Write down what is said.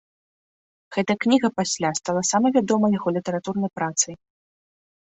Гэтая кніга пасля стала самай вядомай яго літаратурнай працай.